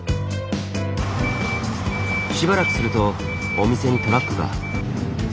しばらくするとお店にトラックが。